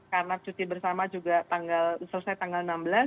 karena cuti bersama juga selesai tanggal enam belas